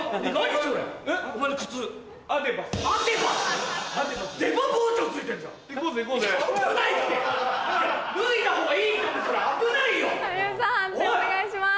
判定お願いします。